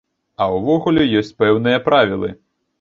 А ўвогуле, ёсць пэўныя правілы.